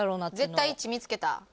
絶対１見つけた？